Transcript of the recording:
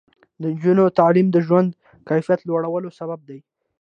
د نجونو تعلیم د ژوند کیفیت لوړولو سبب دی.